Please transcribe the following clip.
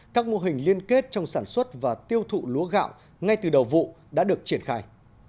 các mô hình liên kết trong sản xuất và tiêu thụ lúa gạo ngay từ đầu vụ đã được triển khai